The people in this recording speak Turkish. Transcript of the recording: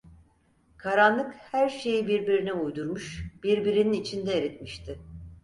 Karanlık her şeyi birbirine uydurmuş, birbirinin içinde eritmişti.